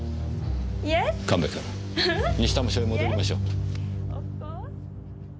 神戸君西多摩署へ戻りましょう。